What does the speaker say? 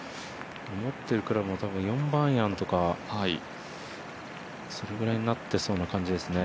持っているクラブも４番アイアンとかそれぐらいになっていそうな感じですね。